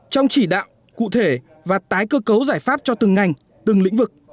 trong chỉ đạo cụ thể và tái cơ cấu giải pháp cho từng ngành từng lĩnh vực